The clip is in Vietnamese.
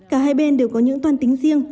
cả hai bên đều có những toàn tính riêng